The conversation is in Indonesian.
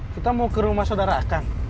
kita mau ke rumah saudara akan